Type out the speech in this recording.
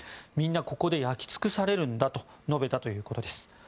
みんな、ここで焼き尽くされるんだと述べたということです。